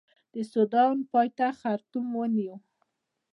د سوډان پایتخت خرطوم ونیو.